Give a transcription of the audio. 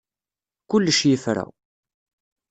Kullec yefra.